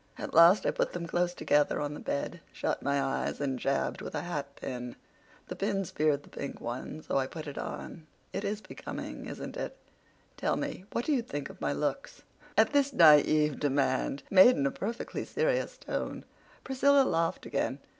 At last I put them close together on the bed, shut my eyes, and jabbed with a hat pin. The pin speared the pink one, so I put it on. It is becoming, isn't it? Tell me, what do you think of my looks?" At this naive demand, made in a perfectly serious tone, Priscilla laughed again.